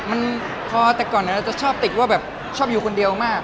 มันพอแต่ก่อนเราจะชอบติดว่าแบบชอบอยู่คนเดียวมาก